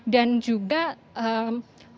dan juga melakukan sesuatu yang sangat penting